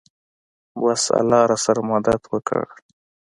بس الله راسره مدد وکو.